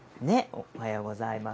おはようございます。